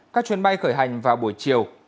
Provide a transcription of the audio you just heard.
các chuyến bay khởi hành vào buổi chiều